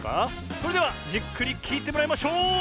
それではじっくりきいてもらいましょう！